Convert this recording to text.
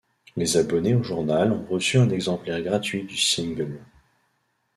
Les abonnés au journal ont reçu un exemplaire gratuit du single.